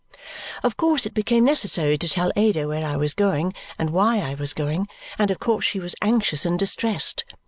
Of course it became necessary to tell Ada where I was going and why I was going, and of course she was anxious and distressed.